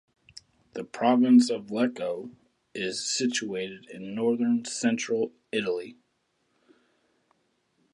The Province of Lecco is situated in northern central Italy.